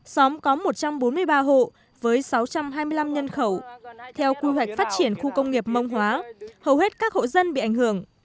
xóm có một trăm bốn mươi ba hộ với sáu trăm hai mươi năm nhân khẩu theo quy hoạch phát triển khu công nghiệp mông hóa hầu hết các hộ dân bị ảnh hưởng